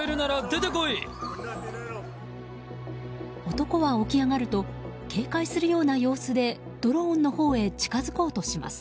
男は起き上がると警戒するような様子でドローンのほうへ近づこうとします。